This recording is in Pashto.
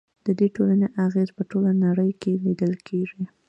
د دې ټولنې اغیز په ټوله نړۍ کې لیدل کیږي.